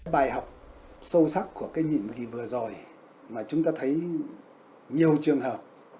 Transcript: bài học sâu sắc của cái nhiệm kỳ vừa rồi mà chúng ta thấy nhiều trường hợp